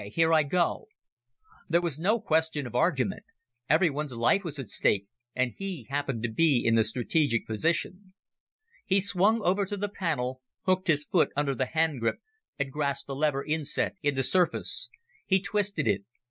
Here I go." There was no question of argument. Everyone's life was at stake, and he happened to be in the strategic position. He swung over to the panel, hooked his foot under the handgrip and grasped the lever inset in the surface. He twisted it.